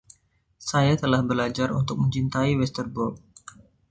Saya telah belajar untuk mencintai Westerbork.